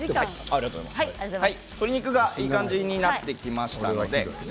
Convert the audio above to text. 鶏肉がいい感じになってきました。